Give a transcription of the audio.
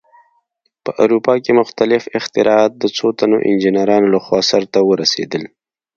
په اروپا کې مختلف اختراعات د څو تنو انجینرانو لخوا سرته ورسېدل.